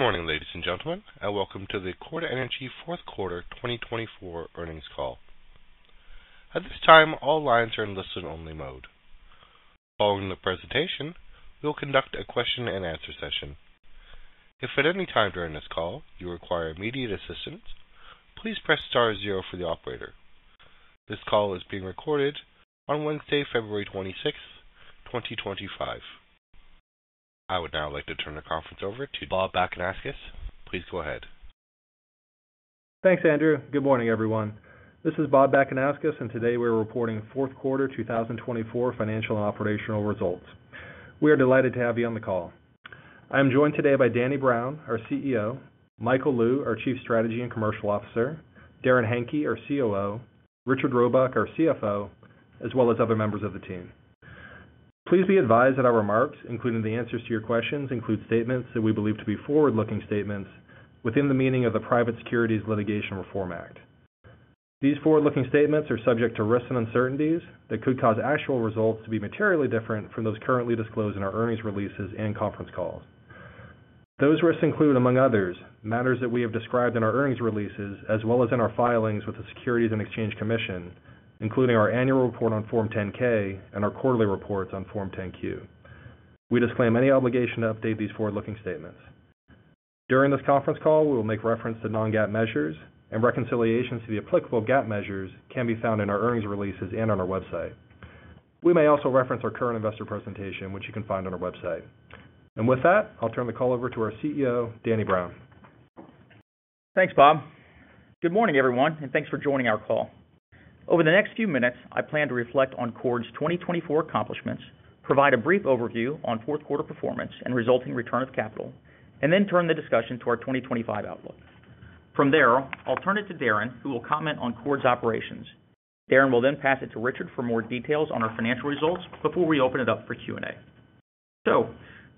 Good morning, ladies and gentlemen, and welcome to the Chord Energy fourth quarter 2024 earnings call. At this time, all lines are in listen-only mode. Following the presentation, we will conduct a question-and-answer session. If at any time during this call you require immediate assistance, please press star zero for the operator. This call is being recorded on Wednesday, February 26, 2025. I would now like to turn the conference over to Bob Bakanauskas. Please go ahead. Thanks, Andrew. Good morning, everyone. This is Bob Bakanauskas, and today we're reporting fourth quarter 2024 financial and operational results. We are delighted to have you on the call. I am joined today by Danny Brown, our CEO, Michael Lou, our Chief Strategy and Commercial Officer, Darrin Henke, our COO, Richard Robuck, our CFO, as well as other members of the team. Please be advised that our remarks, including the answers to your questions, include statements that we believe to be forward-looking statements within the meaning of the Private Securities Litigation Reform Act. These forward-looking statements are subject to risks and uncertainties that could cause actual results to be materially different from those currently disclosed in our earnings releases and conference calls. Those risks include, among others, matters that we have described in our earnings releases as well as in our filings with the Securities and Exchange Commission, including our annual report on Form 10-K and our quarterly reports on Form 10-Q. We disclaim any obligation to update these forward-looking statements. During this conference call, we will make reference to non-GAAP measures, and reconciliations to the applicable GAAP measures can be found in our earnings releases and on our website. We may also reference our current investor presentation, which you can find on our website. And with that, I'll turn the call over to our CEO, Danny Brown. Thanks, Bob. Good morning, everyone, and thanks for joining our call. Over the next few minutes, I plan to reflect on Chord's 2024 accomplishments, provide a brief overview on fourth quarter performance and resulting return of capital, and then turn the discussion to our 2025 outlook. From there, I'll turn it to Darrin, who will comment on Chord's operations. Darrin will then pass it to Richard for more details on our financial results before we open it up for Q&A.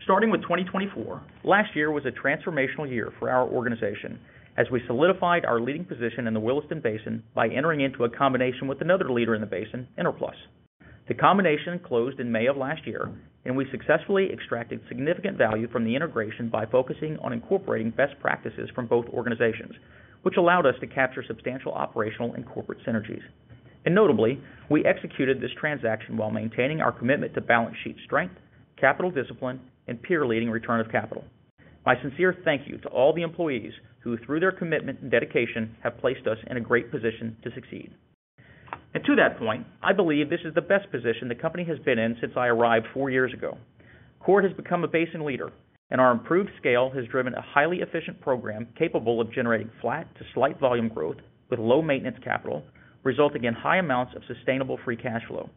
Starting with 2024, last year was a transformational year for our organization as we solidified our leading position in the Williston Basin by entering into a combination with another leader in the basin, Enerplus. The combination closed in May of last year, and we successfully extracted significant value from the integration by focusing on incorporating best practices from both organizations, which allowed us to capture substantial operational and corporate synergies. And notably, we executed this transaction while maintaining our commitment to balance sheet strength, capital discipline, and peer-leading return of capital. My sincere thank you to all the employees who, through their commitment and dedication, have placed us in a great position to succeed. And to that point, I believe this is the best position the company has been in since I arrived four years ago. Chord has become a basin leader, and our improved scale has driven a highly efficient program capable of generating flat to slight volume growth with low maintenance capital, resulting in high amounts of sustainable free cash flow.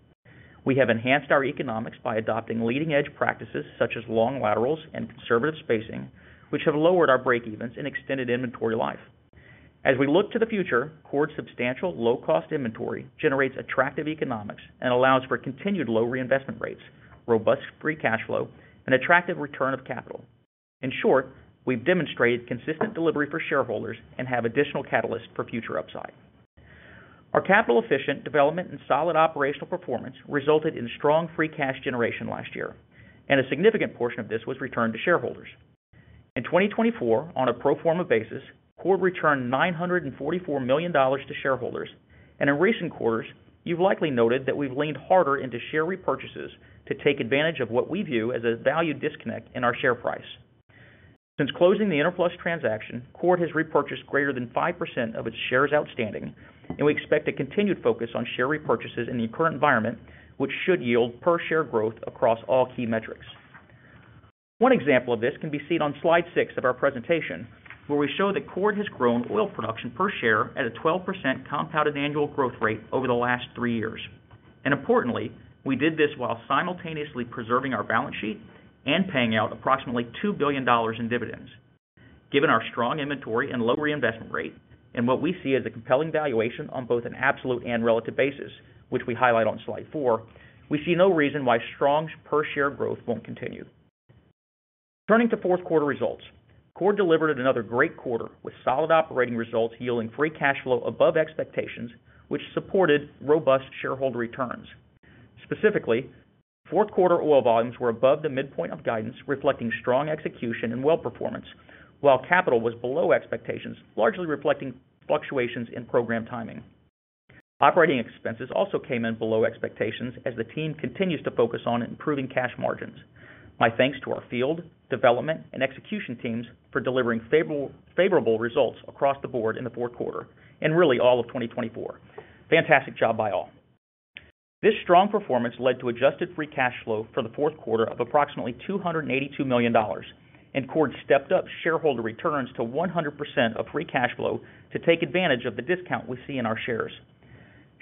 We have enhanced our economics by adopting leading-edge practices such as long laterals and conservative spacing, which have lowered our break-evens and extended inventory life. As we look to the future, Chord's substantial low-cost inventory generates attractive economics and allows for continued low reinvestment rates, robust free cash flow, and attractive return of capital. In short, we've demonstrated consistent delivery for shareholders and have additional catalysts for future upside. Our capital-efficient development and solid operational performance resulted in strong free cash generation last year, and a significant portion of this was returned to shareholders. In 2024, on a pro forma basis, Chord returned $944 million to shareholders, and in recent quarters, you've likely noted that we've leaned harder into share repurchases to take advantage of what we view as a value disconnect in our share price. Since closing the Enerplus transaction, Chord has repurchased greater than 5% of its shares outstanding, and we expect a continued focus on share repurchases in the current environment, which should yield per-share growth across all key metrics. One example of this can be seen on slide six of our presentation, where we show that Chord has grown oil production per share at a 12% compounded annual growth rate over the last three years, and importantly, we did this while simultaneously preserving our balance sheet and paying out approximately $2 billion in dividends. Given our strong inventory and low reinvestment rate, and what we see as a compelling valuation on both an absolute and relative basis, which we highlight on slide four, we see no reason why strong per-share growth won't continue. Turning to fourth quarter results, Chord delivered another great quarter with solid operating results yielding free cash flow above expectations, which supported robust shareholder returns. Specifically, fourth quarter oil volumes were above the midpoint of guidance, reflecting strong execution and well performance, while capital was below expectations, largely reflecting fluctuations in program timing. Operating expenses also came in below expectations as the team continues to focus on improving cash margins. My thanks to our field, development, and execution teams for delivering favorable results across the board in the fourth quarter and really all of 2024. Fantastic job by all. This strong performance led to adjusted free cash flow for the fourth quarter of approximately $282 million, and Chord stepped up shareholder returns to 100% of free cash flow to take advantage of the discount we see in our shares.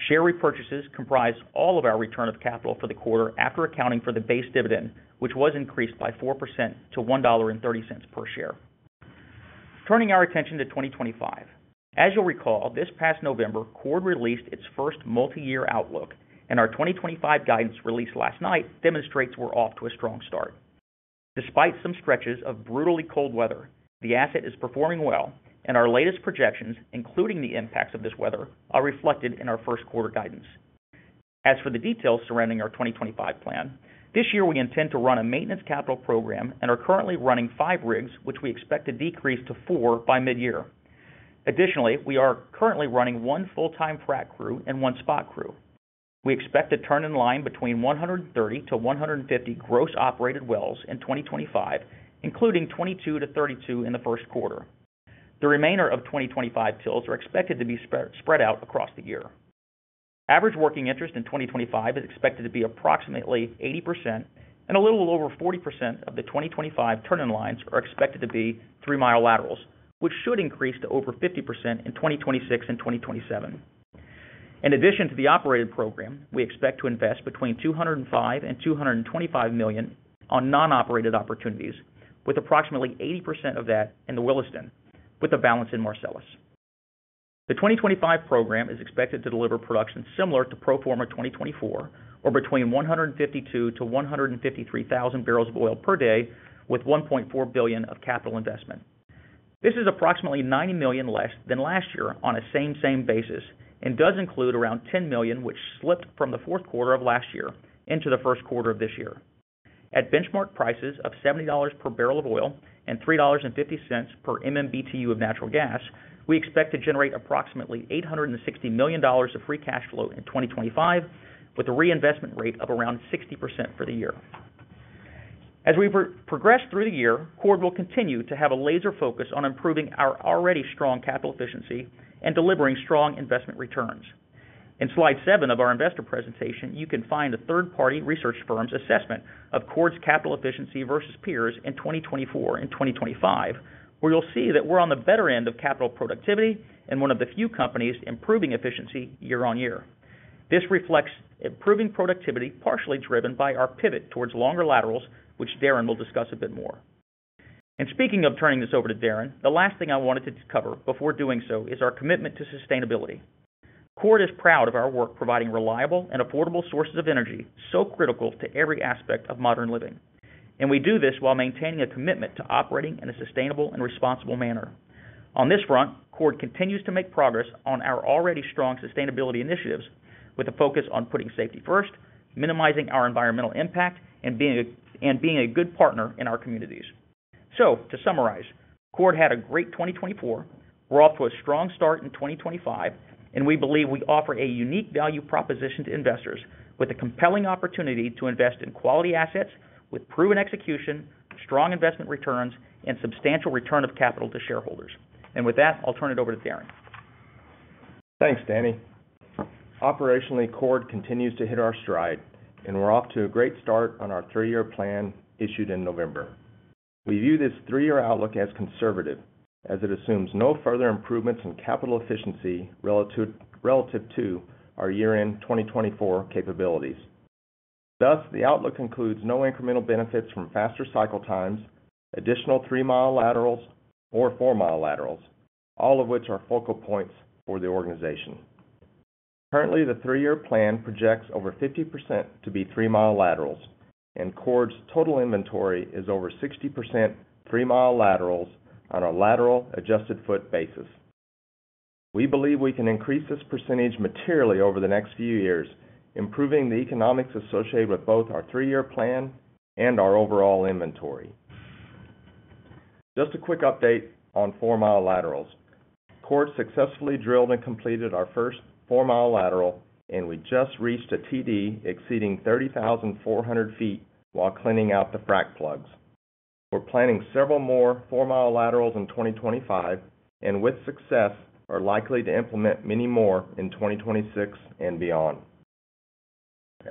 Share repurchases comprised all of our return of capital for the quarter after accounting for the base dividend, which was increased by 4% to $1.30 per share. Turning our attention to 2025. As you'll recall, this past November, Chord released its first multi-year outlook, and our 2025 guidance released last night demonstrates we're off to a strong start. Despite some stretches of brutally cold weather, the asset is performing well, and our latest projections, including the impacts of this weather, are reflected in our first quarter guidance. As for the details surrounding our 2025 plan, this year we intend to run a maintenance capital program and are currently running five rigs, which we expect to decrease to four by mid-year. Additionally, we are currently running one full-time frac crew and one spot crew. We expect to turn-in-line between 130-150 gross operated wells in 2025, including 22-32 in the first quarter. The remainder of 2025 TILs are expected to be spread out across the year. Average working interest in 2025 is expected to be approximately 80%, and a little over 40% of the 2025 turn-in-lines are expected to be three-mile laterals, which should increase to over 50% in 2026 and 2027. In addition to the operated program, we expect to invest between $205 million and $225 million on non-operated opportunities, with approximately 80% of that in the Williston, with a balance in Marcellus. The 2025 program is expected to deliver production similar to pro forma 2024, or between 152,000-153,000 barrels of oil per day, with $1.4 billion of capital investment. This is approximately 90 million less than last year on a same-same basis and does include around 10 million, which slipped from the fourth quarter of last year into the first quarter of this year. At benchmark prices of $70 per barrel of oil and $3.50 per MMBtu of natural gas, we expect to generate approximately $860 million of free cash flow in 2025, with a reinvestment rate of around 60% for the year. As we progress through the year, Chord will continue to have a laser focus on improving our already strong capital efficiency and delivering strong investment returns. In slide seven of our investor presentation, you can find a third-party research firm's assessment of Chord's capital efficiency versus peers in 2024 and 2025, where you'll see that we're on the better end of capital productivity and one of the few companies improving efficiency year on year. This reflects improving productivity partially driven by our pivot towards longer laterals, which Darrin will discuss a bit more. And speaking of turning this over to Darrin, the last thing I wanted to cover before doing so is our commitment to sustainability. Chord is proud of our work providing reliable and affordable sources of energy so critical to every aspect of modern living. And we do this while maintaining a commitment to operating in a sustainable and responsible manner. On this front, Chord continues to make progress on our already strong sustainability initiatives, with a focus on putting safety first, minimizing our environmental impact, and being a good partner in our communities. So, to summarize, Chord had a great 2024. We're off to a strong start in 2025, and we believe we offer a unique value proposition to investors with a compelling opportunity to invest in quality assets with proven execution, strong investment returns, and substantial return of capital to shareholders. And with that, I'll turn it over to Darrin. Thanks, Danny. Operationally, Chord continues to hit our stride, and we're off to a great start on our three-year plan issued in November. We view this three-year outlook as conservative, as it assumes no further improvements in capital efficiency relative to our year-end 2024 capabilities. Thus, the outlook includes no incremental benefits from faster cycle times, additional three-mile laterals, or four-mile laterals, all of which are focal points for the organization. Currently, the three-year plan projects over 50% to be three-mile laterals, and Chord's total inventory is over 60% three-mile laterals on a lateral-adjusted-foot basis. We believe we can increase this percentage materially over the next few years, improving the economics associated with both our three-year plan and our overall inventory. Just a quick update on four-mile laterals. Chord successfully drilled and completed our first four-mile lateral, and we just reached a TD exceeding 30,400 feet while cleaning out the frac plugs. We're planning several more four-mile laterals in 2025, and with success, are likely to implement many more in 2026 and beyond.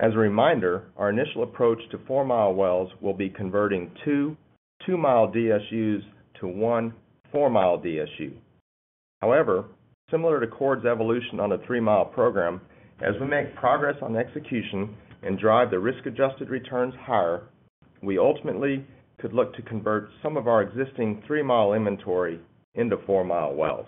As a reminder, our initial approach to four-mile wells will be converting two two-mile DSUs to one four-mile DSU. However, similar to Chord's evolution on the three-mile program, as we make progress on execution and drive the risk-adjusted returns higher, we ultimately could look to convert some of our existing three-mile inventory into four-mile wells.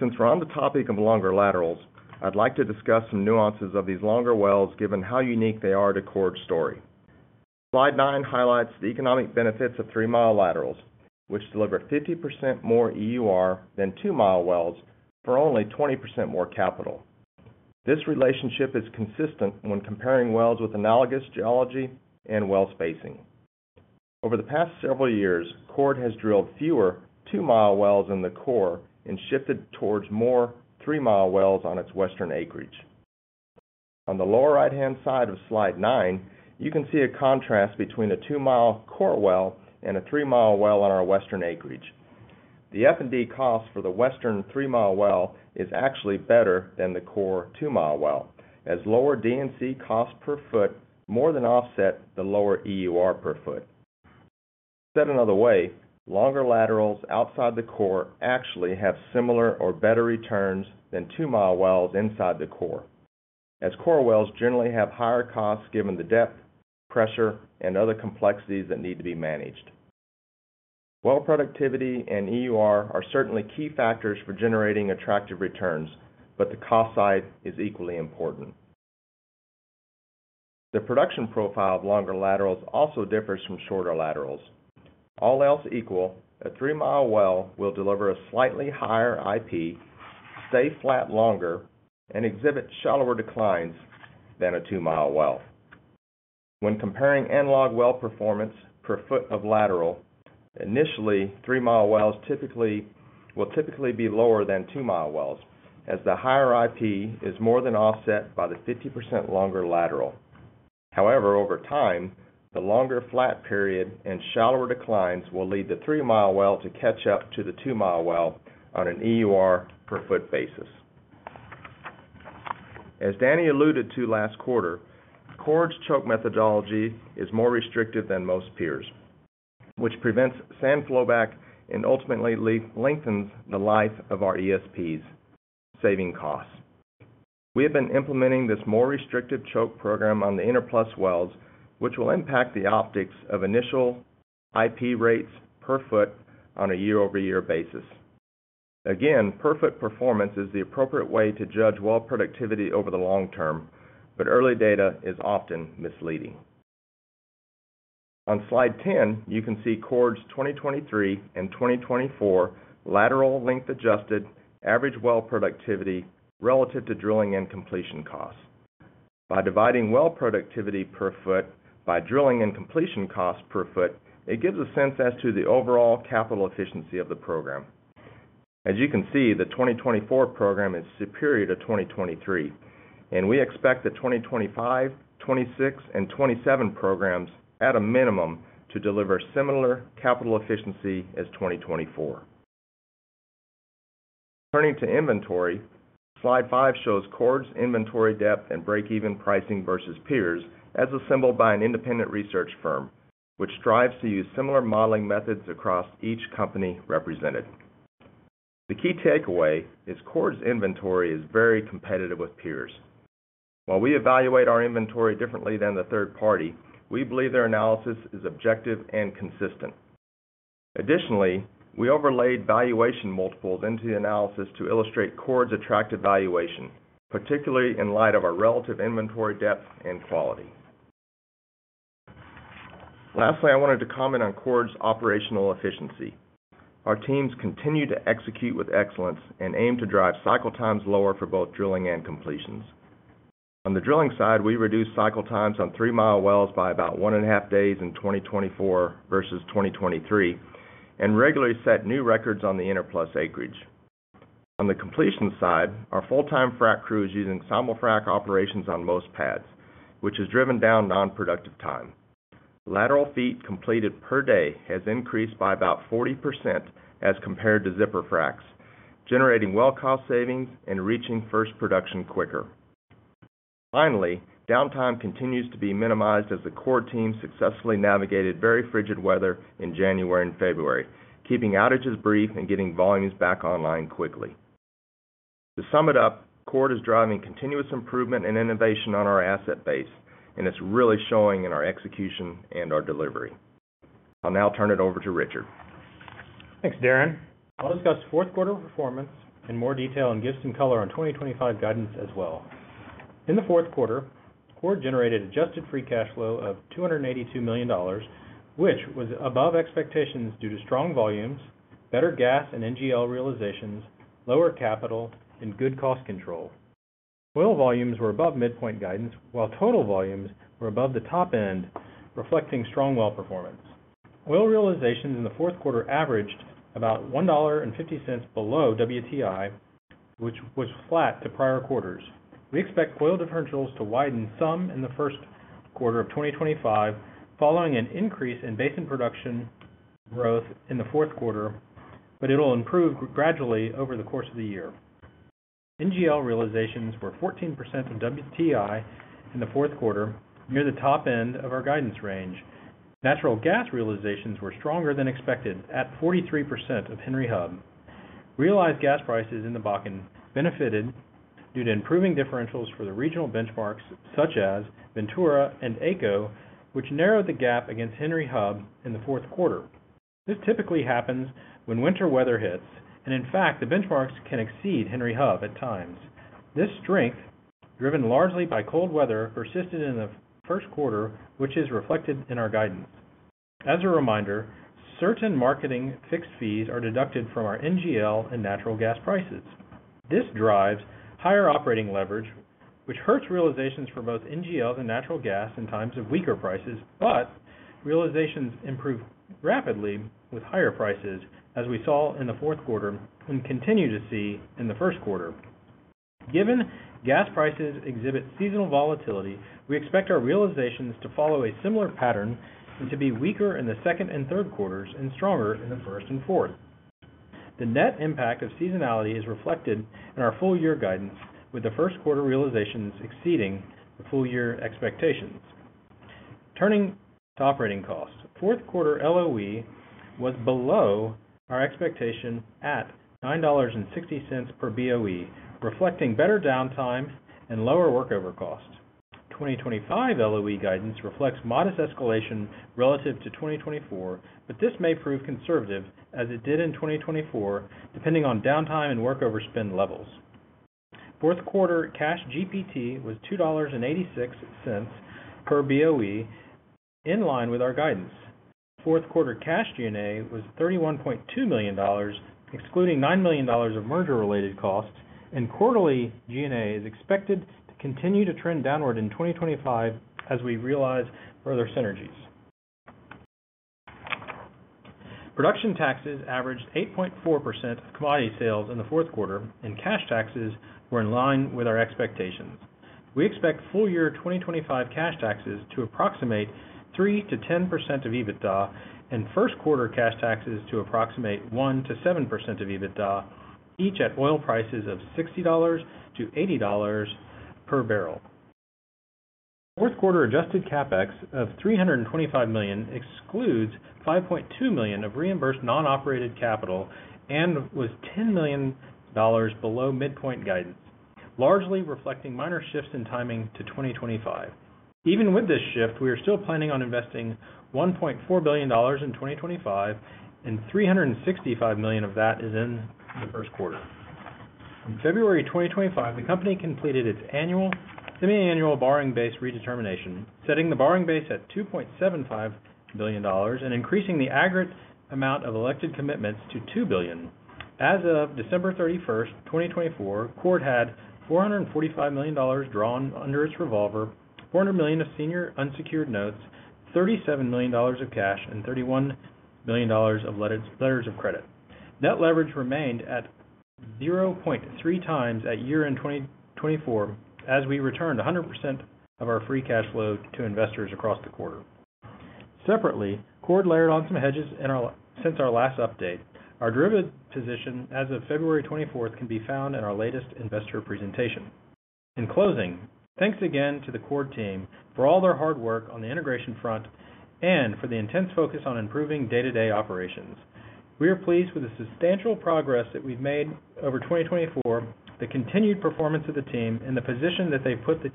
Since we're on the topic of longer laterals, I'd like to discuss some nuances of these longer wells given how unique they are to Chord's story. Slide nine highlights the economic benefits of three-mile laterals, which deliver 50% more EUR than two-mile wells for only 20% more capital. This relationship is consistent when comparing wells with analogous geology and well spacing. Over the past several years, Chord has drilled fewer two-mile wells in the core and shifted towards more three-mile wells on its western acreage. On the lower right-hand side of slide nine, you can see a contrast between a two-mile core well and a three-mile well on our western acreage. The F&D cost for the western three-mile well is actually better than the core two-mile well, as lower D&C cost per foot more than offsets the lower EUR per foot. Said another way, longer laterals outside the core actually have similar or better returns than two-mile wells inside the core, as core wells generally have higher costs given the depth, pressure, and other complexities that need to be managed. Well productivity and EUR are certainly key factors for generating attractive returns, but the cost side is equally important. The production profile of longer laterals also differs from shorter laterals. All else equal, a three-mile well will deliver a slightly higher IP, stay flat longer, and exhibit shallower declines than a two-mile well. When comparing analog well performance per foot of lateral, initially, three-mile wells will typically be lower than two-mile wells, as the higher IP is more than offset by the 50% longer lateral. However, over time, the longer flat period and shallower declines will lead the three-mile well to catch up to the two-mile well on an EUR per foot basis. As Danny alluded to last quarter, Chord's choke methodology is more restrictive than most peers, which prevents sand flowback and ultimately lengthens the life of our ESPs, saving costs. We have been implementing this more restrictive choke program on the Enerplus wells, which will impact the optics of initial IP rates per foot on a year-over-year basis. Again, per foot performance is the appropriate way to judge well productivity over the long term, but early data is often misleading. On slide 10, you can see Chord's 2023 and 2024 lateral length-adjusted average well productivity relative to drilling and completion costs. By dividing well productivity per foot by drilling and completion costs per foot, it gives a sense as to the overall capital efficiency of the program. As you can see, the 2024 program is superior to 2023, and we expect the 2025, 2026, and 2027 programs at a minimum to deliver similar capital efficiency as 2024. Turning to inventory, Slide five shows Chord's inventory depth and break-even pricing versus peers, as assembled by an independent research firm, which strives to use similar modeling methods across each company represented. The key takeaway is Chord's inventory is very competitive with peers. While we evaluate our inventory differently than the third party, we believe their analysis is objective and consistent. Additionally, we overlaid valuation multiples into the analysis to illustrate Chord's attractive valuation, particularly in light of our relative inventory depth and quality. Lastly, I wanted to comment on Chord's operational efficiency. Our teams continue to execute with excellence and aim to drive cycle times lower for both drilling and completions. On the drilling side, we reduced cycle times on three-mile wells by about one and a half days in 2024 versus 2023, and regularly set new records on the Enerplus acreage. On the completion side, our full-time frac crew is using simul frac operations on most pads, which has driven down non-productive time. Lateral feet completed per day has increased by about 40% as compared to zipper fracs, generating well cost savings and reaching first production quicker. Finally, downtime continues to be minimized as the Chord team successfully navigated very frigid weather in January and February, keeping outages brief and getting volumes back online quickly. To sum it up, Chord is driving continuous improvement and innovation on our asset base, and it's really showing in our execution and our delivery. I'll now turn it over to Richard. Thanks, Darrin. I'll discuss fourth quarter performance in more detail and give some color on 2025 guidance as well. In the fourth quarter, Chord generated adjusted free cash flow of $282 million, which was above expectations due to strong volumes, better gas and NGL realizations, lower capital, and good cost control. Oil volumes were above midpoint guidance, while total volumes were above the top end, reflecting strong well performance. Oil realizations in the fourth quarter averaged about $1.50 below WTI, which was flat to prior quarters. We expect oil differentials to widen some in the first quarter of 2025, following an increase in basin production growth in the fourth quarter, but it'll improve gradually over the course of the year. NGL realizations were 14% of WTI in the fourth quarter, near the top end of our guidance range. Natural gas realizations were stronger than expected at 43% of Henry Hub. Realized gas prices in the Bakken benefited due to improving differentials for the regional benchmarks, such as Ventura and AECO, which narrowed the gap against Henry Hub in the fourth quarter. This typically happens when winter weather hits, and in fact, the benchmarks can exceed Henry Hub at times. This strength, driven largely by cold weather, persisted in the first quarter, which is reflected in our guidance. As a reminder, certain marketing fixed fees are deducted from our NGL and natural gas prices. This drives higher operating leverage, which hurts realizations for both NGLs and natural gas in times of weaker prices, but realizations improve rapidly with higher prices, as we saw in the fourth quarter and continue to see in the first quarter. Given gas prices exhibit seasonal volatility, we expect our realizations to follow a similar pattern and to be weaker in the second and third quarters and stronger in the first and fourth. The net impact of seasonality is reflected in our full-year guidance, with the first quarter realizations exceeding the full-year expectations. Turning to operating costs, fourth quarter LOE was below our expectation at $9.60 per BOE, reflecting better downtime and lower workover cost. 2025 LOE guidance reflects modest escalation relative to 2024, but this may prove conservative as it did in 2024, depending on downtime and workover spend levels. Fourth quarter cash GPT was $2.86 per BOE, in line with our guidance. Fourth quarter cash G&A was $31.2 million, excluding $9 million of merger-related costs, and quarterly G&A is expected to continue to trend downward in 2025 as we realize further synergies. Production taxes averaged 8.4% of commodity sales in the fourth quarter, and cash taxes were in line with our expectations. We expect full-year 2025 cash taxes to approximate 3%-10% of EBITDA, and first quarter cash taxes to approximate 1%-7% of EBITDA, each at oil prices of $60-$80 per barrel. Fourth quarter adjusted CapEx of $325 million excludes $5.2 million of reimbursed non-operated capital and was $10 million below midpoint guidance, largely reflecting minor shifts in timing to 2025. Even with this shift, we are still planning on investing $1.4 billion in 2025, and $365 million of that is in the first quarter. In February 2025, the company completed its annual semiannual borrowing base redetermination, setting the borrowing base at $2.75 billion and increasing the aggregate amount of elected commitments to $2 billion. As of December 31st, 2024, Chord had $445 million drawn under its revolver, $400 million of senior unsecured notes, $37 million of cash, and $31 million of letters of credit. Net leverage remained at 0.3 times at year-end 2024 as we returned 100% of our free cash flow to investors across the quarter. Separately, Chord layered on some hedges since our last update. Our derivative position as of February 24th can be found in our latest investor presentation. In closing, thanks again to the Chord team for all their hard work on the integration front and for the intense focus on improving day-to-day operations. We are pleased with the substantial progress that we've made over 2024, the continued performance of the team, and the position that they've put the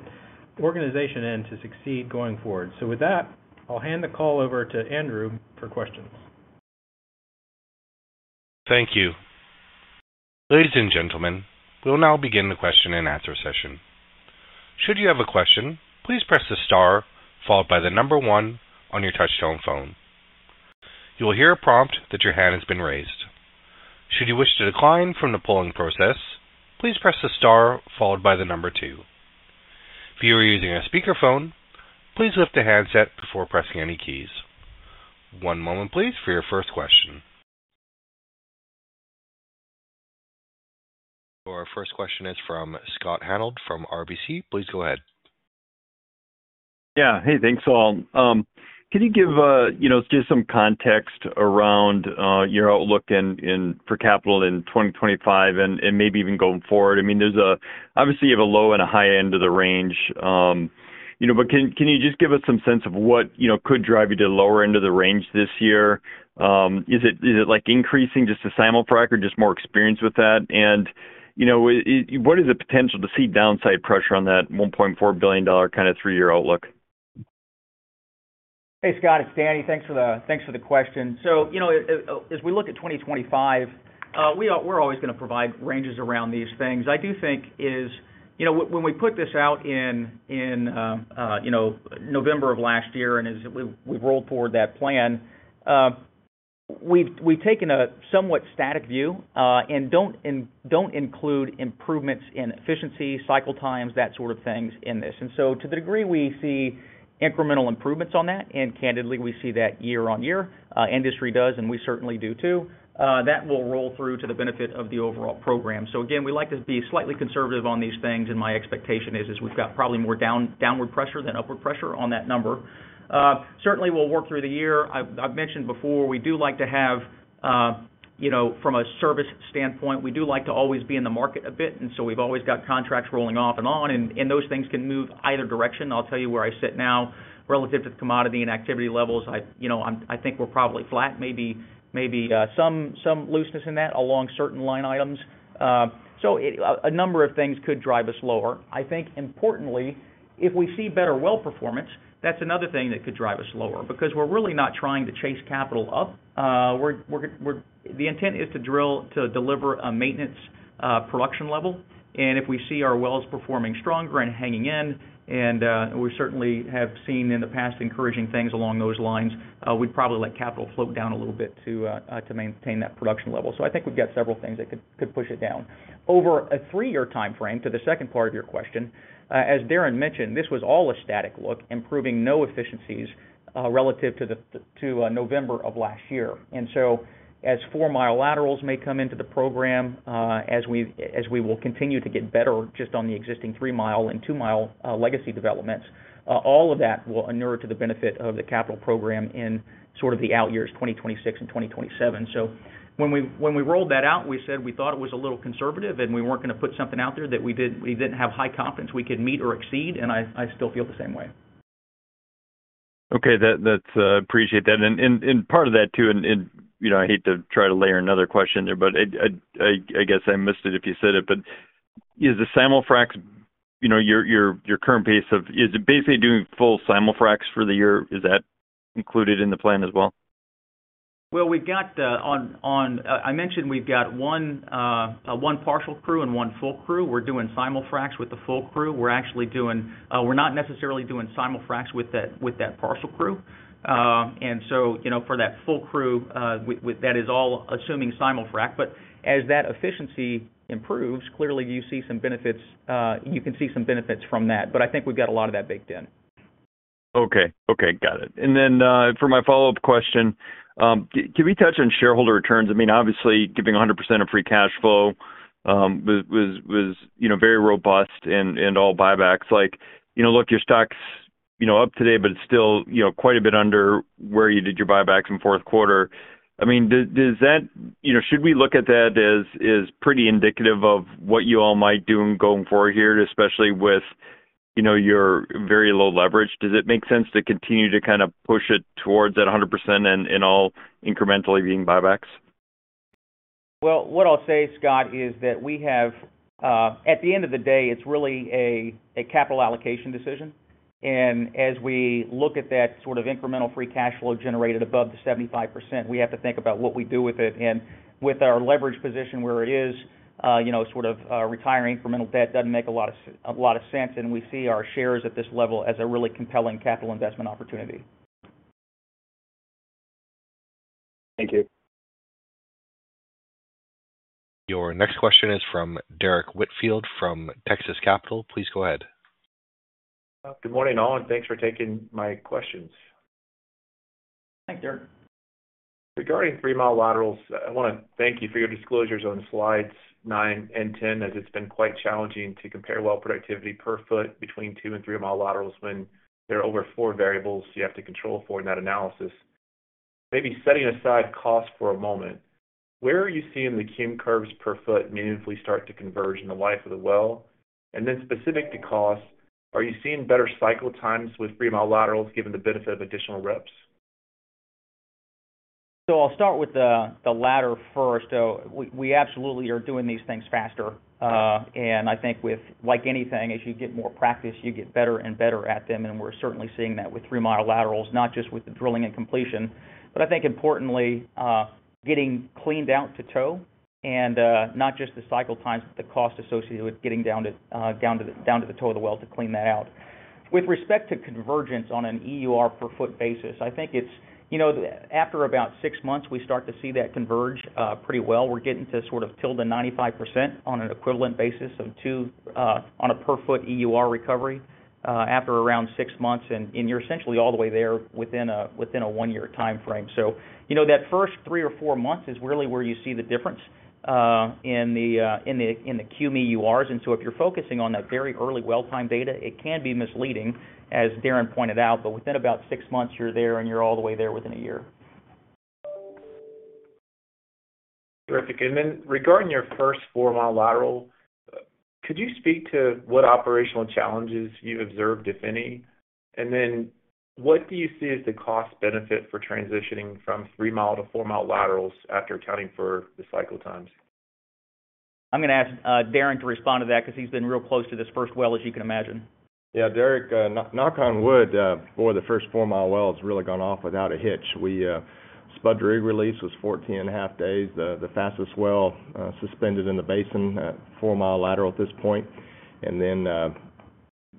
organization in to succeed going forward. So with that, I'll hand the call over to Andrew for questions. Thank you. Ladies and gentlemen, we'll now begin the question and answer session. Should you have a question, please press the star followed by the number one on your touch-tone phone. You will hear a prompt that your hand has been raised. Should you wish to decline from the polling process, please press the star followed by the number two. If you are using a speakerphone, please lift the handset before pressing any keys. One moment, please, for your first question. Our first question is from Scott Hanold from RBC. Please go ahead. Yeah. Hey, thanks, all. Can you give just some context around your outlook for capital in 2025 and maybe even going forward? I mean, obviously, you have a low and a high end of the range, but can you just give us some sense of what could drive you to the lower end of the range this year? Is it increasing just to simul frac or just more experience with that? And what is the potential to see downside pressure on that $1.4 billion kind of three-year outlook? Hey, Scott, it's Danny. Thanks for the question. So as we look at 2025, we're always going to provide ranges around these things. I do think when we put this out in November of last year and as we've rolled forward that plan, we've taken a somewhat static view and don't include improvements in efficiency, cycle times, that sort of thing in this. And so to the degree we see incremental improvements on that, and candidly, we see that year-on-year, industry does, and we certainly do too, that will roll through to the benefit of the overall program. So again, we like to be slightly conservative on these things, and my expectation is we've got probably more downward pressure than upward pressure on that number. Certainly, we'll work through the year. I've mentioned before, we do like to have from a service standpoint, we do like to always be in the market a bit, and so we've always got contracts rolling off and on, and those things can move either direction. I'll tell you where I sit now relative to the commodity and activity levels. I think we're probably flat, maybe some looseness in that along certain line items. So a number of things could drive us lower. I think, importantly, if we see better well performance, that's another thing that could drive us lower because we're really not trying to chase capital up. The intent is to deliver a maintenance production level, and if we see our wells performing stronger and hanging in, and we certainly have seen in the past encouraging things along those lines, we'd probably let capital float down a little bit to maintain that production level. So I think we've got several things that could push it down. Over a three-year timeframe to the second part of your question, as Darrin mentioned, this was all a static look, improving no efficiencies relative to November of last year. And so as four-mile laterals may come into the program, as we will continue to get better just on the existing three-mile and two-mile legacy developments, all of that will inure to the benefit of the capital program in sort of the out years 2026 and 2027. So when we rolled that out, we said we thought it was a little conservative, and we weren't going to put something out there that we didn't have high confidence we could meet or exceed, and I still feel the same way. Okay. I appreciate that. And part of that too, and I hate to try to layer another question there, but I guess I missed it if you said it, but is the simul fracs, your current pace of is it basically doing full simul fracs for the year, is that included in the plan as well? I mentioned we've got one partial crew and one full crew. We're doing simul fracs with the full crew. We're not necessarily doing simul fracs with that partial crew. So for that full crew, that is all assuming simul frac, but as that efficiency improves, clearly you see some benefits, you can see some benefits from that, but I think we've got a lot of that baked in. Okay. Okay. Got it. And then for my follow-up question, can we touch on shareholder returns? I mean, obviously, giving 100% of free cash flow was very robust and all buybacks. Look, your stock's up today, but it's still quite a bit under where you did your buybacks in fourth quarter. I mean, should we look at that as pretty indicative of what you all might do going forward here, especially with your very low leverage? Does it make sense to continue to kind of push it towards that 100% and all incrementally being buybacks? What I'll say, Scott, is that we have, at the end of the day, it's really a capital allocation decision, and as we look at that sort of incremental free cash flow generated above the 75%, we have to think about what we do with it, and with our leverage position where it is, sort of retiring incremental debt doesn't make a lot of sense, and we see our shares at this level as a really compelling capital investment opportunity. Thank you. Your next question is from Derrick Whitfield from Texas Capital. Please go ahead. Good morning, all, and thanks for taking my questions. Thanks, Derek. Regarding three-mile laterals, I want to thank you for your disclosures on slides nine and 10, as it's been quite challenging to compare well productivity per foot between two and three-mile laterals when there are over four variables you have to control for in that analysis. Maybe setting aside cost for a moment, where are you seeing the CUM curves per foot meaningfully start to converge in the life of the well? And then specific to cost, are you seeing better cycle times with three-mile laterals given the benefit of additional reps? I'll start with the latter first. We absolutely are doing these things faster. I think with anything, as you get more practice, you get better and better at them, and we're certainly seeing that with three-mile laterals, not just with the drilling and completion, but I think importantly, getting cleaned out to toe, and not just the cycle times, but the cost associated with getting down to the toe of the well to clean that out. With respect to convergence on an EUR per foot basis, I think after about six months, we start to see that converge pretty well. We're getting to sort of to the 95% on an equivalent basis on a per foot EUR recovery after around six months, and you're essentially all the way there within a one-year timeframe. So that first three or four months is really where you see the difference in the CUM EURs, and so if you're focusing on that very early well time data, it can be misleading, as Darrin pointed out, but within about six months, you're there and you're all the way there within a year. Terrific. And then regarding your first four-mile lateral, could you speak to what operational challenges you've observed, if any? And then what do you see as the cost benefit for transitioning from three-mile to four-mile laterals after accounting for the cycle times? I'm going to ask Darrin to respond to that because he's been real close to this first well, as you can imagine. Yeah, Derrick, knock on wood, boy, the first four-mile well has really gone off without a hitch. Spud to rig release was 14 and a half days, the fastest well spudded in the basin at four-mile lateral at this point. And then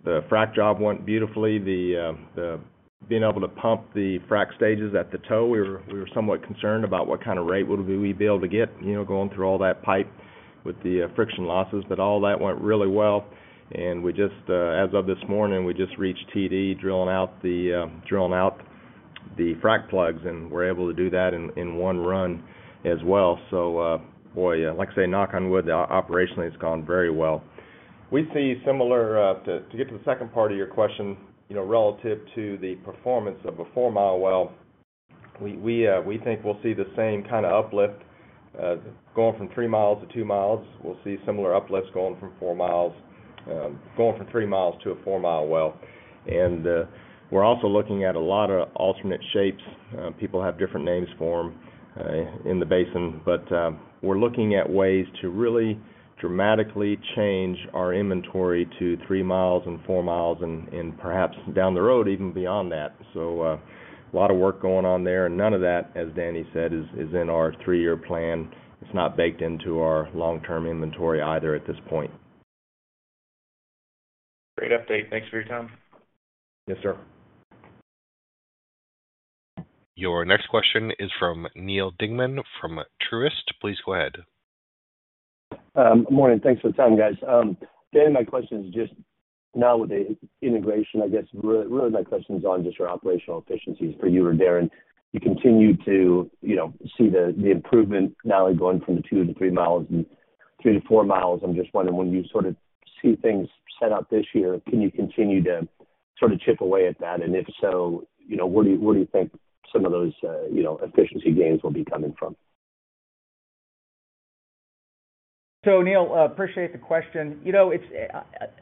the frac job went beautifully. Being able to pump the frac stages at the toe, we were somewhat concerned about what kind of rate would we be able to get going through all that pipe with the friction losses, but all that went really well. And as of this morning, we just reached TD drilling out the frac plugs, and we're able to do that in one run as well. So boy, like I say, knock on wood, operationally it's gone very well. We see. Similar to get to the second part of your question relative to the performance of a four-mile well, we think we'll see the same kind of uplift going from three miles to two miles. We'll see similar uplifts going from three miles to a four-mile well, and we're also looking at a lot of alternate shapes. People have different names for them in the basin, but we're looking at ways to really dramatically change our inventory to three miles and four miles and perhaps down the road, even beyond that, so a lot of work going on there, and none of that, as Danny said, is in our three-year plan. It's not baked into our long-term inventory either at this point. Great update. Thanks for your time. Yes, sir. Your next question is from Neal Dingmann from Truist. Please go ahead. Good morning. Thanks for the time, guys. Danny, my question is just now with the integration, I guess really my question is on just your operational efficiencies for you or Darrin. You continue to see the improvement now going from the two to three miles and three to four miles. I'm just wondering, when you sort of see things set up this year, can you continue to sort of chip away at that? And if so, where do you think some of those efficiency gains will be coming from? So Neal, appreciate the question.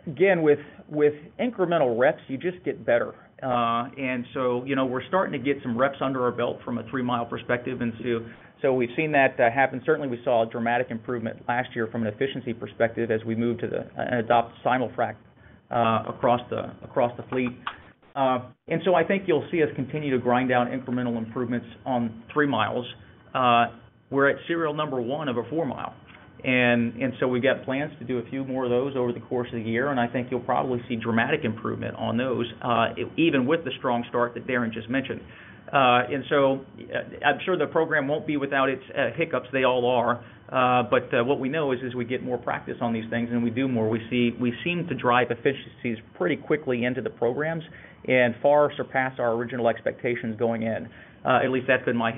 Again, with incremental reps, you just get better. And so we're starting to get some reps under our belt from a three-mile perspective. And so we've seen that happen. Certainly, we saw a dramatic improvement last year from an efficiency perspective as we moved to adopt simul frac across the fleet. And so I think you'll see us continue to grind down incremental improvements on three miles. We're at serial number one of a four-mile. And so we've got plans to do a few more of those over the course of the year, and I think you'll probably see dramatic improvement on those, even with the strong start that Darrin just mentioned. And so I'm sure the program won't be without its hiccups. They all are. But what we know is as we get more practice on these things and we do more, we seem to drive efficiencies pretty quickly into the programs and far surpass our original expectations going in. At least that's been my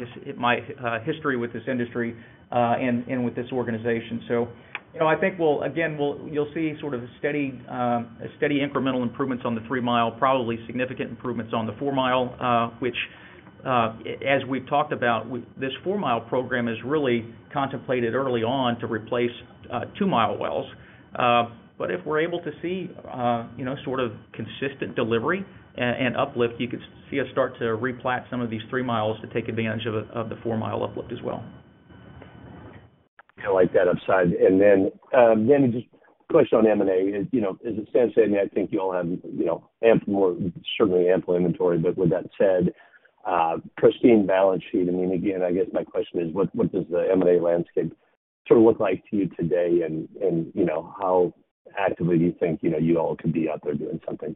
history with this industry and with this organization. So I think, again, you'll see sort of steady incremental improvements on the three-mile, probably significant improvements on the four-mile, which, as we've talked about, this four-mile program is really contemplated early on to replace two-mile wells. But if we're able to see sort of consistent delivery and uplift, you could see us start to replat some of these three miles to take advantage of the four-mile uplift as well. I like that upside, and then just a question on M&A. Have a sense of it, I think you all have certainly ample inventory, but with that said, pristine balance sheet. I mean, again, I guess my question is, what does the M&A landscape sort of look like to you today, and how actively do you think you all could be out there doing something?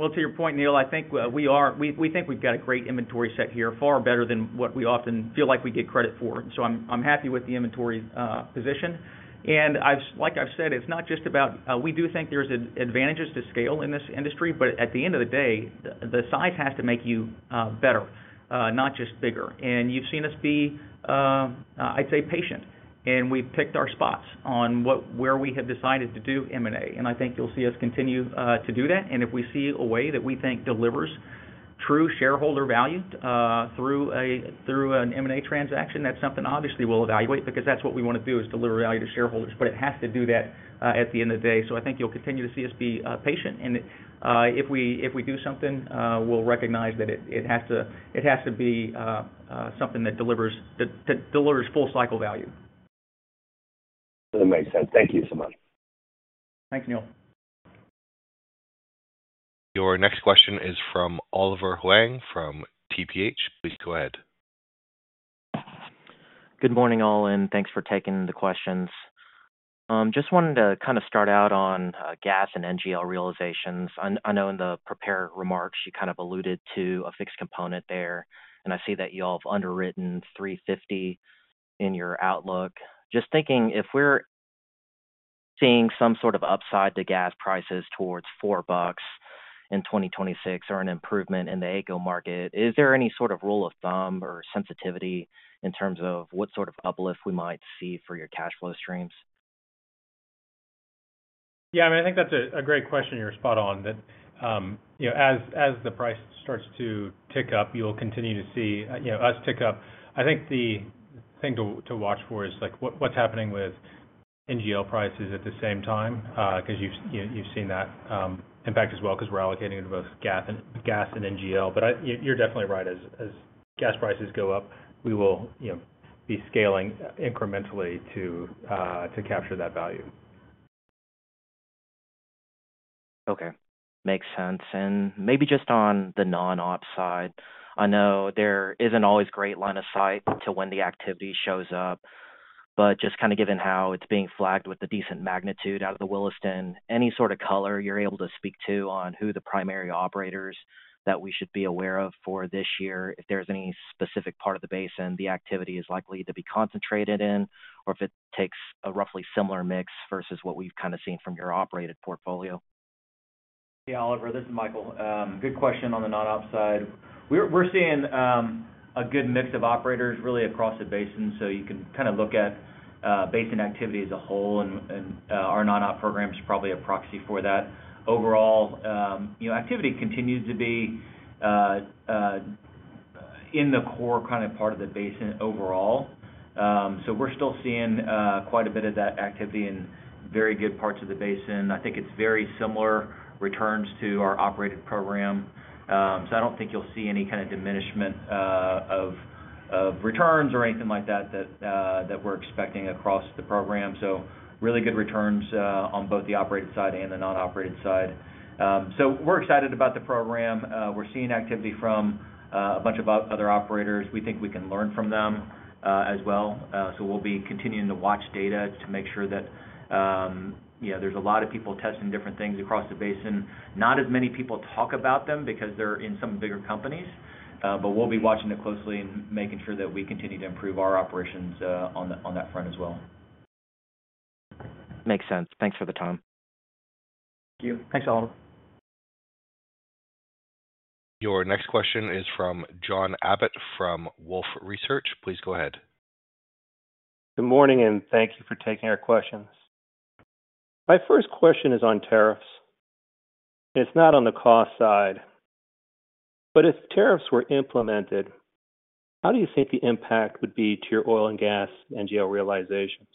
To your point, Neal, I think we think we've got a great inventory set here, far better than what we often feel like we get credit for. And so I'm happy with the inventory position. And like I've said, it's not just about we do think there's advantages to scale in this industry, but at the end of the day, the size has to make you better, not just bigger. And you've seen us be, I'd say, patient, and we've picked our spots on where we have decided to do M&A. And I think you'll see us continue to do that. And if we see a way that we think delivers true shareholder value through an M&A transaction, that's something obviously we'll evaluate because that's what we want to do, is deliver value to shareholders, but it has to do that at the end of the day. So I think you'll continue to see us be patient, and if we do something, we'll recognize that it has to be something that delivers full cycle value. That makes sense. Thank you so much. Thanks, Neil. Your next question is from Oliver Huang from TPH. Please go ahead. Good morning, all, and thanks for taking the questions. Just wanted to kind of start out on gas and NGL realizations. I know in the prepared remarks, you kind of alluded to a fixed component there, and I see that you all have underwritten $3.50 in your outlook. Just thinking, if we're seeing some sort of upside to gas prices towards $4 in 2026 or an improvement in the AECO market, is there any sort of rule of thumb or sensitivity in terms of what sort of uplift we might see for your cash flow streams? Yeah, I mean, I think that's a great question. You're spot on. As the price starts to tick up, you'll continue to see us tick up. I think the thing to watch for is what's happening with NGL prices at the same time because you've seen that impact as well because we're allocating it to both gas and NGL. But you're definitely right. As gas prices go up, we will be scaling incrementally to capture that value. Okay. Makes sense. And maybe just on the non-ops side, I know there isn't always great line of sight to when the activity shows up, but just kind of given how it's being flagged with the decent magnitude out of the Williston, any sort of color you're able to speak to on who the primary operators that we should be aware of for this year, if there's any specific part of the basin the activity is likely to be concentrated in, or if it takes a roughly similar mix versus what we've kind of seen from your operated portfolio? Hey, Oliver, this is Michael. Good question on the non-ops side. We're seeing a good mix of operators really across the basin, so you can kind of look at basin activity as a whole, and our non-op program is probably a proxy for that. Overall, activity continues to be in the core kind of part of the basin overall. So we're still seeing quite a bit of that activity in very good parts of the basin. I think it's very similar returns to our operated program. So I don't think you'll see any kind of diminishment of returns or anything like that that we're expecting across the program. So really good returns on both the operated side and the non-operated side. So we're excited about the program. We're seeing activity from a bunch of other operators. We think we can learn from them as well. So we'll be continuing to watch data to make sure that there's a lot of people testing different things across the basin. Not as many people talk about them because they're in some bigger companies, but we'll be watching it closely and making sure that we continue to improve our operations on that front as well. Makes sense. Thanks for the time. Thank you. Thanks, Oliver. Your next question is from John Abbott from Wolfe Research. Please go ahead. Good morning, and thank you for taking our questions. My first question is on tariffs. It's not on the cost side, but if tariffs were implemented, how do you think the impact would be to your oil and gas NGL realizations?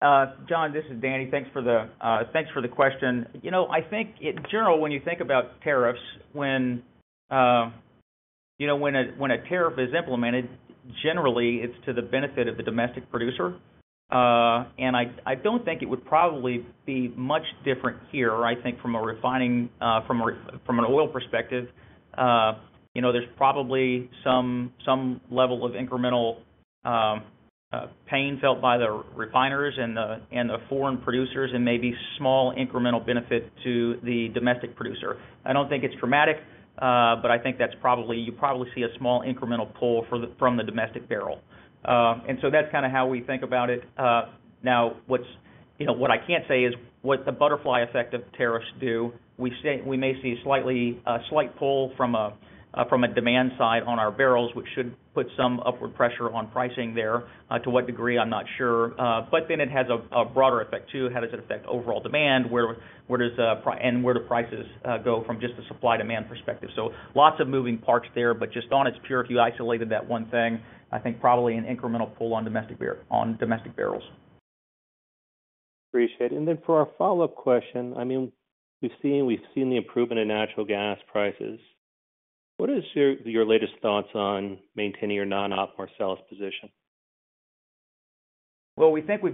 John, this is Danny. Thanks for the question. I think, in general, when you think about tariffs, when a tariff is implemented, generally, it's to the benefit of the domestic producer. And I don't think it would probably be much different here, I think, from an oil perspective. There's probably some level of incremental pain felt by the refiners and the foreign producers and maybe small incremental benefit to the domestic producer. I don't think it's dramatic, but I think you probably see a small incremental pull from the domestic barrel. And so that's kind of how we think about it. Now, what I can't say is what the butterfly effect of tariffs do. We may see a slight pull from a demand side on our barrels, which should put some upward pressure on pricing there. To what degree, I'm not sure. But then it has a broader effect too. How does it affect overall demand, and where do prices go from just the supply-demand perspective? So lots of moving parts there, but just on its pure, if you isolated that one thing, I think probably an incremental pull on domestic barrels. Appreciate it. And then for our follow-up question, I mean, we've seen the improvement in natural gas prices. What is your latest thoughts on maintaining your non-op Marcellus position? We think we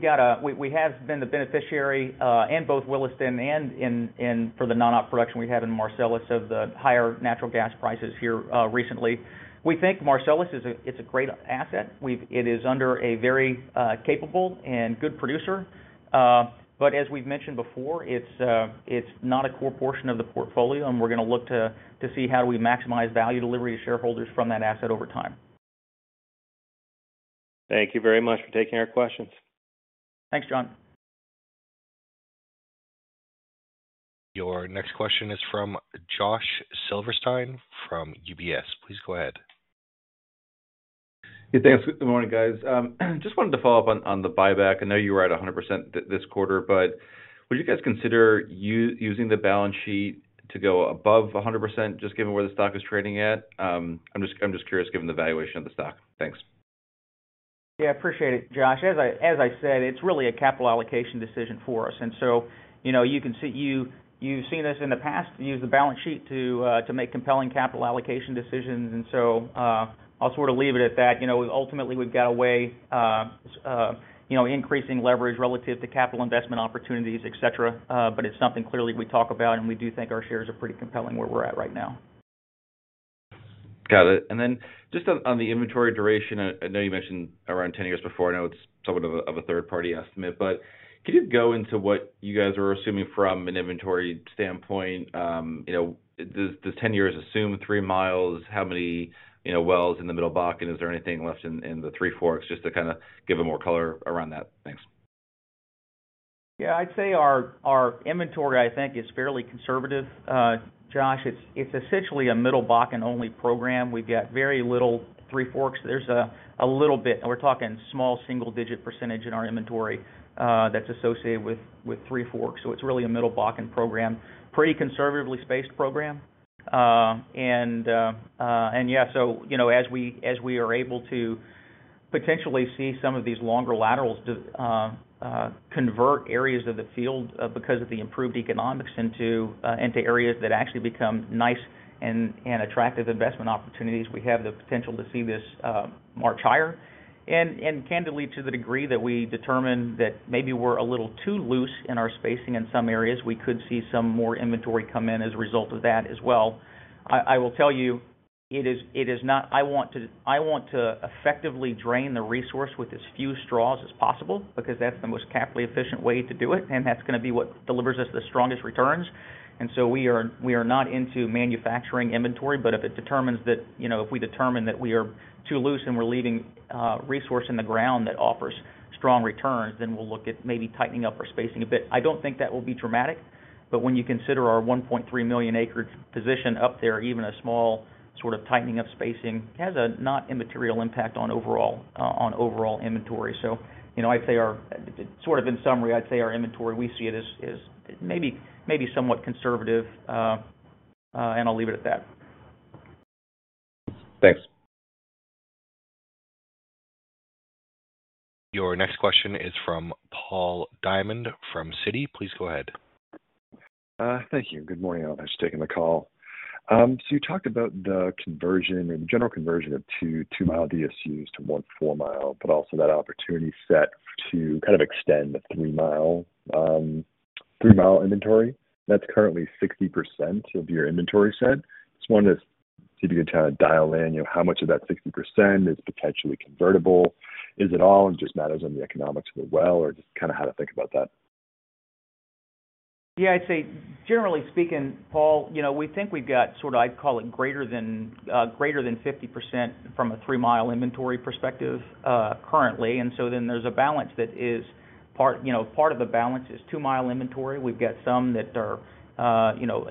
have been the beneficiary in both Williston and for the non-op production we have in Marcellus of the higher natural gas prices here recently. We think Marcellus is a great asset. It is under a very capable and good producer. But as we've mentioned before, it's not a core portion of the portfolio, and we're going to look to see how do we maximize value delivery to shareholders from that asset over time. Thank you very much for taking our questions. Thanks, John. Your next question is from Josh Silverstein from UBS. Please go ahead. Hey, thanks. Good morning, guys. Just wanted to follow up on the buyback. I know you were at 100% this quarter, but would you guys consider using the balance sheet to go above 100% just given where the stock is trading at? I'm just curious given the valuation of the stock. Thanks. Yeah, appreciate it, Josh. As I said, it's really a capital allocation decision for us. And so you can see you've seen us in the past use the balance sheet to make compelling capital allocation decisions. And so I'll sort of leave it at that. Ultimately, we've got a way of increasing leverage relative to capital investment opportunities, etc., but it's something clearly we talk about, and we do think our shares are pretty compelling where we're at right now. Got it. And then just on the inventory duration, I know you mentioned around 10 years before. I know it's somewhat of a third-party estimate, but can you go into what you guys are assuming from an inventory standpoint? Does 10 years assume three miles? How many wells in the Middle Bakken? Is there anything left in the Three Forks? Just to kind of give them more color around that. Thanks. Yeah, I'd say our inventory, I think, is fairly conservative, Josh. It's essentially a Middle Bakken-only program. We've got very little Three Forks. There's a little bit, and we're talking small single-digit percentage in our inventory that's associated with Three Forks. So it's really a Middle Bakken program, pretty conservatively spaced program. And yeah, so as we are able to potentially see some of these longer laterals convert areas of the field because of the improved economics into areas that actually become nice and attractive investment opportunities, we have the potential to see this march higher. And candidly, to the degree that we determine that maybe we're a little too loose in our spacing in some areas, we could see some more inventory come in as a result of that as well. I will tell you, it is not. I want to effectively drain the resource with as few straws as possible because that's the most capital-efficient way to do it, and that's going to be what delivers us the strongest returns. And so we are not into manufacturing inventory, but if we determine that we are too loose and we're leaving resource in the ground that offers strong returns, then we'll look at maybe tightening up our spacing a bit. I don't think that will be dramatic, but when you consider our 1.3-million-acre position up there, even a small sort of tightening of spacing has a not immaterial impact on overall inventory. So I'd say our sort of in summary, I'd say our inventory, we see it as maybe somewhat conservative, and I'll leave it at that. Thanks. Your next question is from Paul Diamond from Citi. Please go ahead. Thank you. Good morning, Oliver, for taking the call. So you talked about the conversion and general conversion of two-mile DSUs to one four-mile, but also that opportunity set to kind of extend the three-mile inventory. That's currently 60% of your inventory set. Just wanted to see if you could kind of dial in how much of that 60% is potentially convertible. Is it all? It just matters on the economics of the well or just kind of how to think about that. Yeah, I'd say, generally speaking, Paul, we think we've got sort of, I'd call it greater than 50% from a three-mile inventory perspective currently. And so then there's a balance that is two-mile inventory. We've got some that are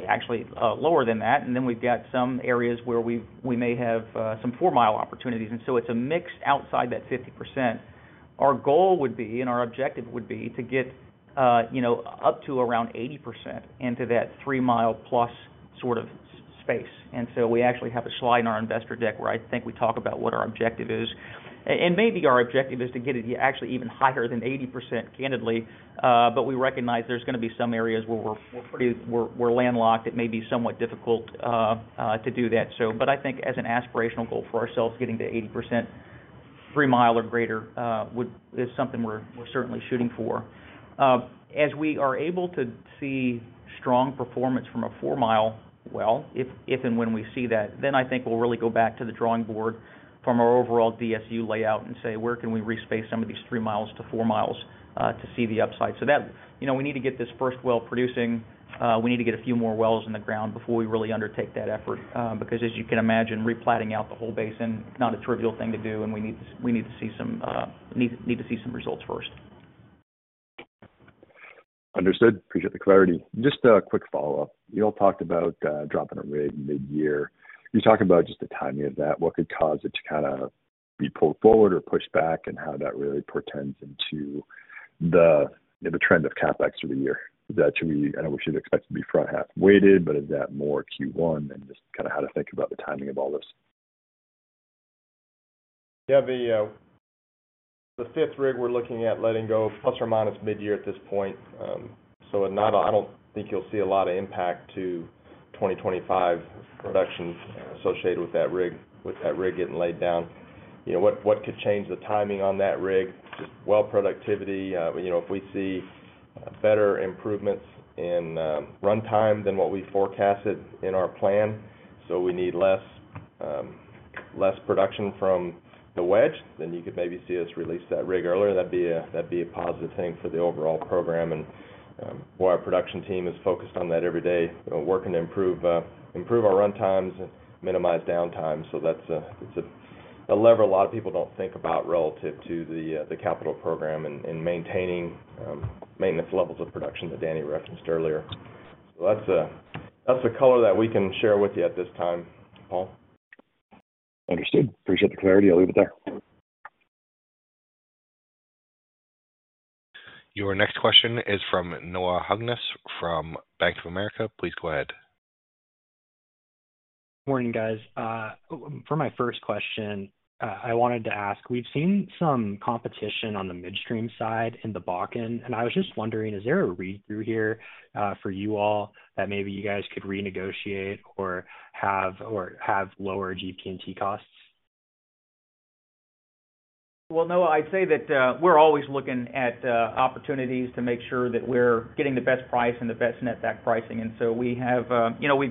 actually lower than that, and then we've got some areas where we may have some four-mile opportunities. And so it's a mix outside that 50%. Our goal would be, and our objective would be to get up to around 80% into that three-mile plus sort of space. And so we actually have a slide in our investor deck where I think we talk about what our objective is. And maybe our objective is to get it actually even higher than 80%, candidly, but we recognize there's going to be some areas where we're landlocked. It may be somewhat difficult to do that. But I think as an aspirational goal for ourselves, getting to 80%, three-mile or greater is something we're certainly shooting for. As we are able to see strong performance from a four-mile well, if and when we see that, then I think we'll really go back to the drawing board from our overall DSU layout and say, "Where can we respace some of these three miles to four miles to see the upside?" So we need to get this first well producing. We need to get a few more wells in the ground before we really undertake that effort because, as you can imagine, replatting out the whole basin, not a trivial thing to do, and we need to see some results first. Understood. Appreciate the clarity. Just a quick follow-up. You all talked about dropping a rate mid-year. You talked about just the timing of that. What could cause it to kind of be pulled forward or pushed back and how that really portends into the trend of CapEx for the year? I know we should expect to be front-half weighted, but is that more Q1 and just kind of how to think about the timing of all this? Yeah, the fifth rig we're looking at letting go plus or minus mid-year at this point. So I don't think you'll see a lot of impact to 2025 production associated with that rig getting laid down. What could change the timing on that rig? Just well productivity. If we see better improvements in runtime than what we forecasted in our plan, so we need less production from the wedge, then you could maybe see us release that rig earlier. That'd be a positive thing for the overall program. While our production team is focused on that every day, we're working to improve our runtimes and minimize downtime. So it's a lever a lot of people don't think about relative to the capital program and maintaining maintenance levels of production that Danny referenced earlier. So that's the color that we can share with you at this time, Paul. Understood. Appreciate the clarity. I'll leave it there. Your next question is from Noah Hungness from Bank of America. Please go ahead. Morning, guys. For my first question, I wanted to ask, we've seen some competition on the midstream side in the Bakken, and I was just wondering, is there a read-through here for you all that maybe you guys could renegotiate or have lower GP&T costs? Noah, I'd say that we're always looking at opportunities to make sure that we're getting the best price and the best net back pricing. And so we've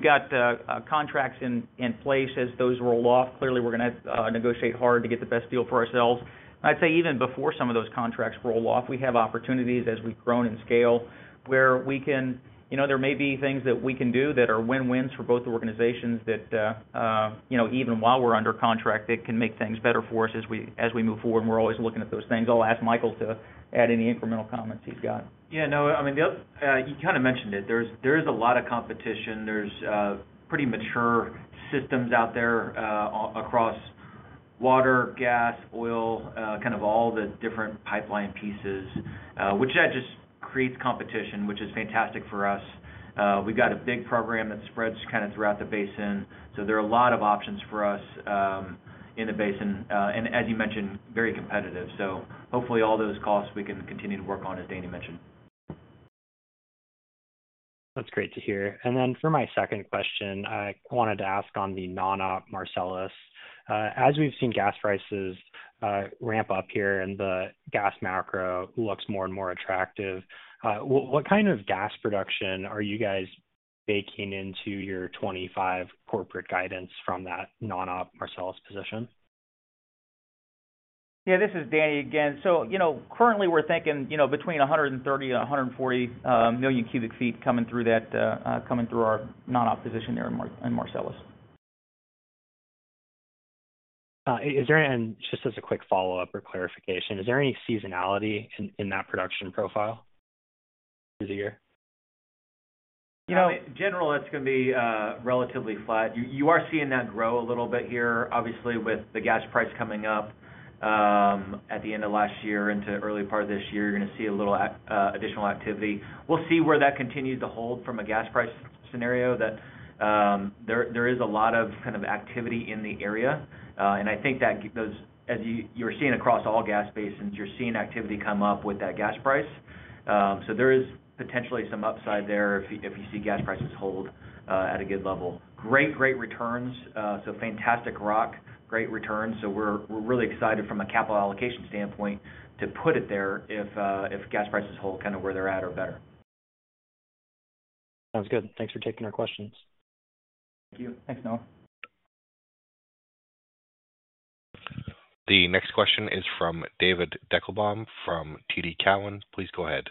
got contracts in place as those roll off. Clearly, we're going to negotiate hard to get the best deal for ourselves. And I'd say even before some of those contracts roll off, we have opportunities as we've grown in scale where we can there may be things that we can do that are win-wins for both organizations that even while we're under contract, it can make things better for us as we move forward. And we're always looking at those things. I'll ask Michael to add any incremental comments he's got. Yeah, no, I mean, you kind of mentioned it. There is a lot of competition. There's pretty mature systems out there across water, gas, oil, kind of all the different pipeline pieces, which that just creates competition, which is fantastic for us. We've got a big program that spreads kind of throughout the basin. So there are a lot of options for us in the basin. And as you mentioned, very competitive. So hopefully, all those costs we can continue to work on, as Danny mentioned. That's great to hear, and then for my second question, I wanted to ask on the non-op Marcellus. As we've seen gas prices ramp up here and the gas macro looks more and more attractive, what kind of gas production are you guys baking into your 2025 corporate guidance from that non-op Marcellus position? Yeah, this is Danny again. So currently, we're thinking between 130 and 140 million cubic feet coming through our non-op position there in Marcellus. Just as a quick follow-up or clarification, is there any seasonality in that production profile through the year? In general, that's going to be relatively flat. You are seeing that grow a little bit here, obviously, with the gas price coming up at the end of last year into early part of this year. You're going to see a little additional activity. We'll see where that continues to hold from a gas price scenario that there is a lot of kind of activity in the area, and I think that, as you're seeing across all gas basins, you're seeing activity come up with that gas price, so there is potentially some upside there if you see gas prices hold at a good level. Great, great returns, so fantastic rock, great returns. So we're really excited from a capital allocation standpoint to put it there if gas prices hold kind of where they're at or better. Sounds good. Thanks for taking our questions. Thank you. Thanks, Noah. The next question is from David Deckelbaum from TD Cowen. Please go ahead.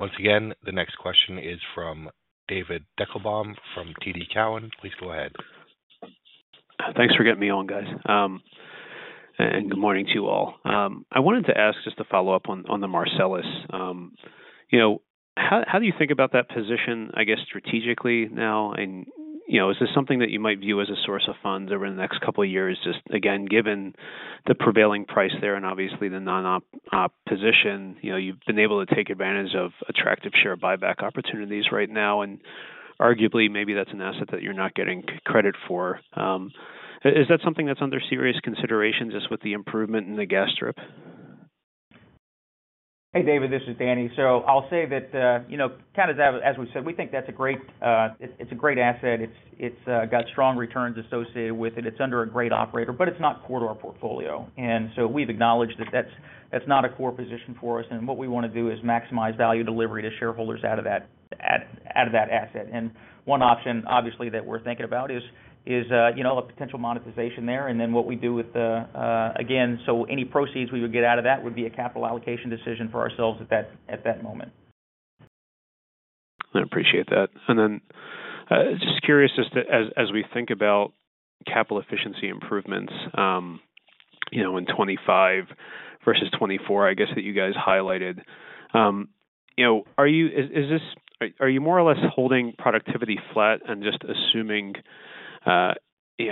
Once again, the next question is from David Deckelbaum from TD Cowen. Please go ahead. Thanks for getting me on, guys. And good morning to you all. I wanted to ask just to follow up on the Marcellus. How do you think about that position, I guess, strategically now? And is this something that you might view as a source of funds over the next couple of years, just again, given the prevailing price there and obviously the non-op position? You've been able to take advantage of attractive share buyback opportunities right now, and arguably, maybe that's an asset that you're not getting credit for. Is that something that's under serious consideration just with the improvement in the gas strip? Hey, David, this is Danny. So I'll say that kind of as we said, we think that's a great asset. It's got strong returns associated with it. It's under a great operator, but it's not core to our portfolio. And so we've acknowledged that that's not a core position for us. And what we want to do is maximize value delivery to shareholders out of that asset. And one option, obviously, that we're thinking about is a potential monetization there. And then what we do with that, again, so any proceeds we would get out of that would be a capital allocation decision for ourselves at that moment. I appreciate that. And then just curious, just as we think about capital efficiency improvements in 2025 versus 2024, I guess, that you guys highlighted, are you more or less holding productivity flat and just assuming,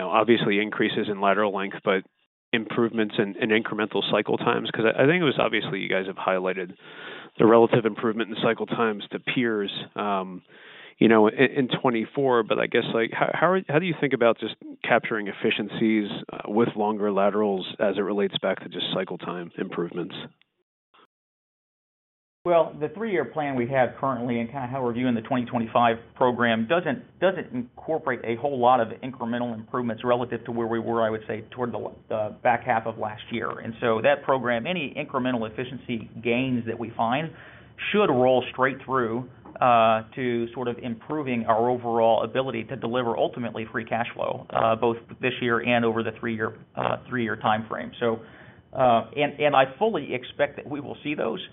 obviously, increases in lateral length, but improvements in incremental cycle times? Because I think it was obviously you guys have highlighted the relative improvement in cycle times to peers in 2024, but I guess how do you think about just capturing efficiencies with longer laterals as it relates back to just cycle time improvements? The three-year plan we have currently and kind of how we're viewing the 2025 program doesn't incorporate a whole lot of incremental improvements relative to where we were, I would say, toward the back half of last year. And so that program, any incremental efficiency gains that we find should roll straight through to sort of improving our overall ability to deliver ultimately free cash flow both this year and over the three-year time frame. And I fully expect that we will see those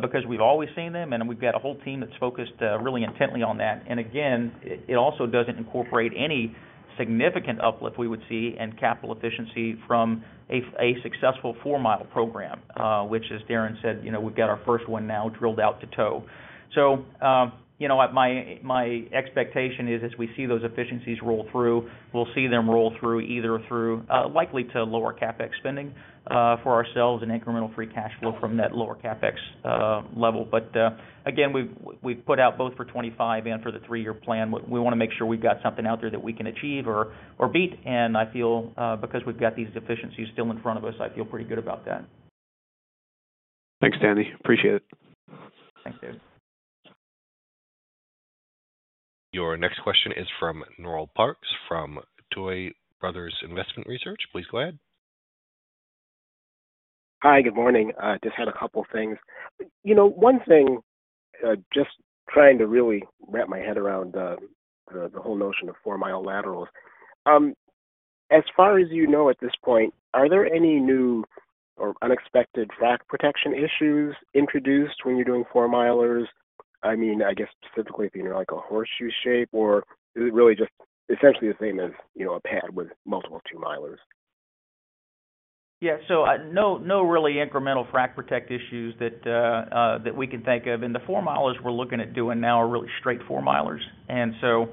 because we've always seen them, and we've got a whole team that's focused really intently on that. And again, it also doesn't incorporate any significant uplift we would see in capital efficiency from a successful four-mile program, which, as Darrin said, we've got our first one now drilled out to toe. My expectation is, as we see those efficiencies roll through, we'll see them roll through either through likely to lower CapEx spending for ourselves and incremental free cash flow from that lower CapEx level. Again, we've put out both for 2025 and for the three-year plan. We want to make sure we've got something out there that we can achieve or beat. I feel, because we've got these efficiencies still in front of us, I feel pretty good about that. Thanks, Danny. Appreciate it. Thanks, David. Your next question is from Noel Parks from Tuohy Brothers Investment Research. Please go ahead. Hi, good morning. Just had a couple of things. One thing, just trying to really wrap my head around the whole notion of four-mile laterals. As far as you know at this point, are there any new or unexpected frac protection issues introduced when you're doing four-milers? I mean, I guess specifically if you're in a horseshoe shape, or is it really just essentially the same as a pad with multiple two-milers? Yeah. So no really incremental frac protect issues that we can think of. And the four-milers we're looking at doing now are really straight four-milers. And so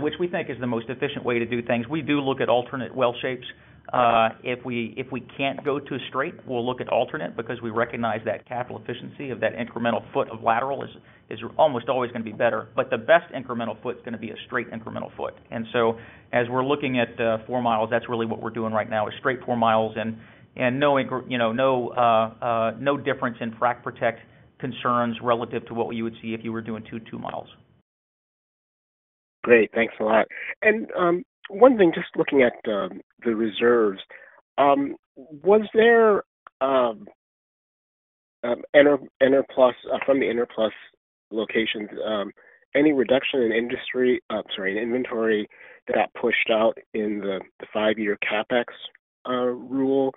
which we think is the most efficient way to do things. We do look at alternate well shapes. If we can't go to straight, we'll look at alternate because we recognize that capital efficiency of that incremental foot of lateral is almost always going to be better. But the best incremental foot is going to be a straight incremental foot. And so as we're looking at four miles, that's really what we're doing right now is straight four miles and no difference in frac protect concerns relative to what you would see if you were doing two two-miles. Great. Thanks a lot. And one thing, just looking at the reserves, was there from the Enerplus locations, any reduction in industry sorry, in inventory that got pushed out in the five-year CapEx rule?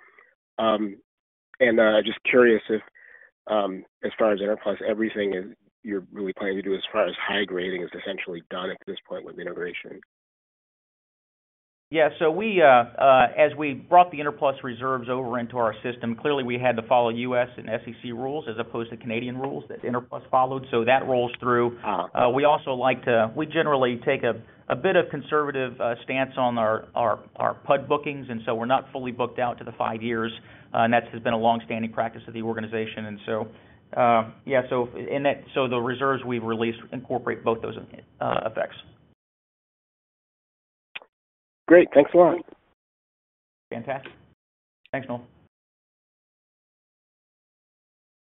And I'm just curious if, as far as Enerplus, everything you're really planning to do as far as high grading is essentially done at this point with integration. Yeah. So as we brought the Enerplus reserves over into our system, clearly, we had to follow U.S. and SEC rules as opposed to Canadian rules that Enerplus followed. So that rolls through. We also like to generally take a bit of conservative stance on our PUD bookings. And so we're not fully booked out to the five years. And that has been a long-standing practice of the organization. And so, yeah. So the reserves we've released incorporate both those effects. Great. Thanks a lot. Fantastic. Thanks, Noel.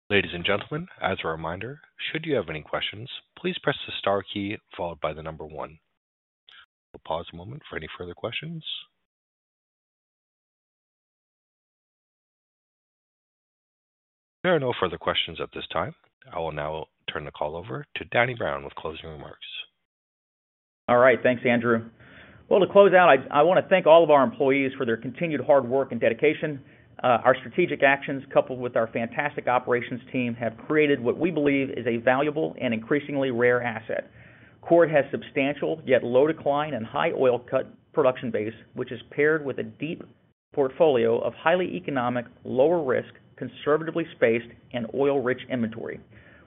Ladies and gentlemen, as a reminder, should you have any questions, please press the star key followed by the number one. We'll pause a moment for any further questions. There are no further questions at this time. I will now turn the call over to Danny Brown with closing remarks. All right. Thanks, Andrew. Well, to close out, I want to thank all of our employees for their continued hard work and dedication. Our strategic actions, coupled with our fantastic operations team, have created what we believe is a valuable and increasingly rare asset. Chord has substantial, yet low-decline and high-oil cut production base, which is paired with a deep portfolio of highly economic, lower-risk, conservatively spaced, and oil-rich inventory.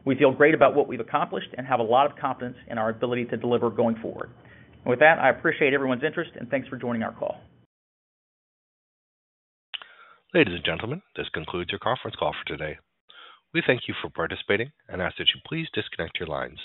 We feel great about what we've accomplished and have a lot of confidence in our ability to deliver going forward, and with that, I appreciate everyone's interest, and thanks for joining our call. Ladies and gentlemen, this concludes your conference call for today. We thank you for participating and ask that you please disconnect your lines.